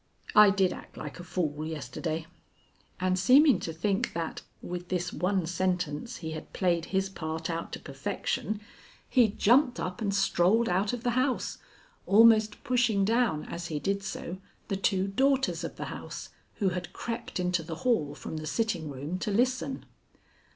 I did act like a fool yesterday." And seeming to think that, with this one sentence he had played his part out to perfection, he jumped up and strolled out of the house, almost pushing down as he did so the two daughters of the house, who had crept into the hall from the sitting room to listen.